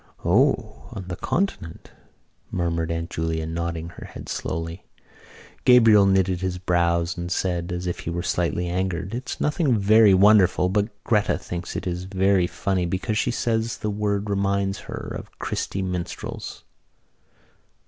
"O, on the continent," murmured Aunt Julia, nodding her head slowly. Gabriel knitted his brows and said, as if he were slightly angered: "It's nothing very wonderful but Gretta thinks it very funny because she says the word reminds her of Christy Minstrels."